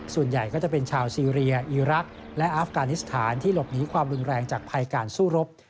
ส่วนใหญ่ก็จะเป็นชาวซีเรียอีรักษ์และอาฟกานิสถานที่หลบหนีความรุนแรงจากภัยการสู้รบ